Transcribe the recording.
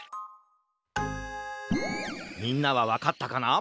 みんなはわかったかな？